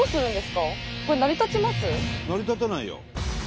成り立たないよ。